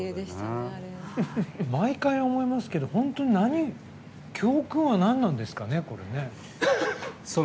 毎回、思いますけど本当に教訓はなんなんですかね、これ。